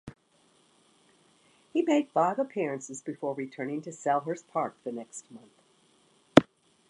He made five appearances before returning to Selhurst Park the next month.